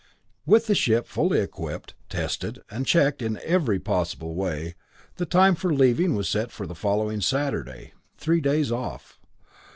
With the ship fully equipped, tested and checked in every possible way, the time for leaving was set for the following Saturday, three days off.